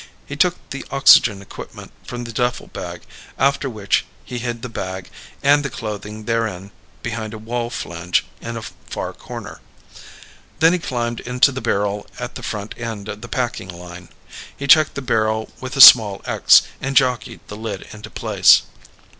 He took the oxygen equipment from the duffel bag after which he hid the bag and the clothing therein behind a wall flange in a far corner. Then he climbed into the barrel at the front end of the packing line. He checked the barrel with a small X, and jockeyed the lid into place.